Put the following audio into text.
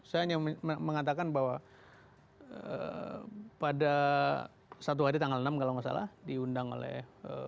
saya hanya mengatakan bahwa pada satu hari tanggal enam kalau nggak salah diundang oleh